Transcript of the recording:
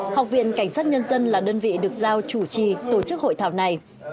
học viện cảnh sát nhân dân là đơn vị được giao chủ trì tổ chức hội thảo này